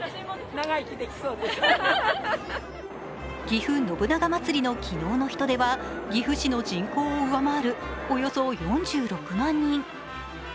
ぎふ信長まつりの昨日の人出は岐阜市の人口を上回るおよそ４６万人。